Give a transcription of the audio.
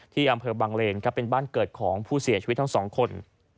ที่อำเภอบังเลนเป็นบ้านเกิดของผู้เสียชีวิตทั้งสองคน